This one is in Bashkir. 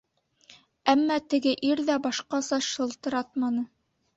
Әммә теге ир ҙә башҡаса шылтыратманы.